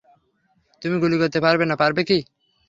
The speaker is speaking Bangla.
তুমি গুলি করতে পারবেনা, পারবে কি?